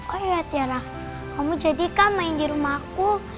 oh iya tiara kamu jadikan main di rumah aku